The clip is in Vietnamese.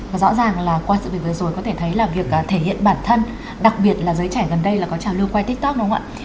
và rõ ràng là qua sự việc vừa rồi có thể thấy là việc thể hiện bản thân đặc biệt là giới trẻ gần đây là có trào lưu quay tiktok đúng không ạ